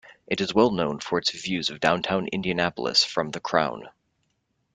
It is well known for its views of downtown Indianapolis from The Crown.